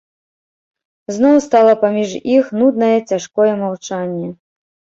Зноў стала паміж іх нуднае цяжкое маўчанне.